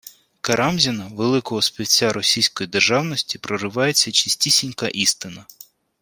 Карамзіна – «великого співця» російської державності, проривається чистісінька істина